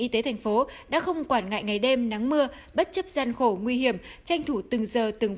y tế thành phố đã không quản ngại ngày đêm nắng mưa bất chấp gian khổ nguy hiểm tranh thủ từng giờ từng